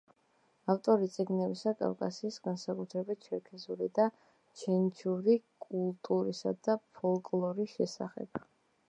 ავტორი წიგნებისა კავკასიის, განსაკუთრებით ჩერქეზული და ჩეჩნური, კულტურისა და ფოლკლორის შესახებ.